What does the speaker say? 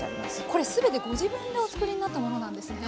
これ全てご自分でお作りになったものなんですね。